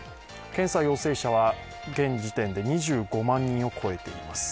検査陽性者は現時点で２５万人を超えています。